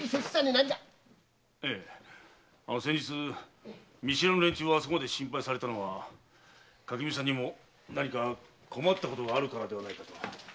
ええ先日見知らぬ連中をあそこまで心配されたのは垣見さんにも何か困ったことがあるからではないかと。